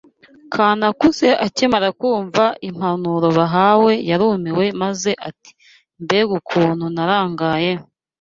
Kanakuze akimara kumva impanuro bahawe yarumiwe maze ati mbega ukuntu narangaye